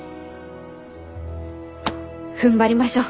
ふんばりましょう。